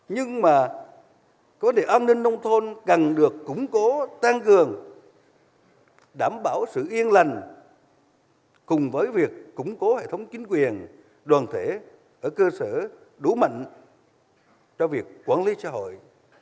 nhưng mà vấn đề an ninh nông thôn cần được củng cố tăng cường đảm bảo sự yên lành cùng với việc củng cố hệ thống chính quyền đoàn thể ở cơ sở đủ mạnh cho việc quản lý xã hội